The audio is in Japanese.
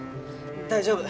大丈夫。